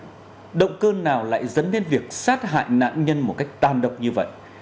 ai động cơ nào lại dẫn đến việc sát hại nạn nhân một cách tan độc như vậy